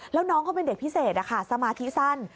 แล้วน้องเขาเป็นเด็กพิเศษสมาธิสั้น